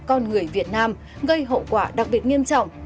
con người việt nam gây hậu quả đặc biệt nghiêm trọng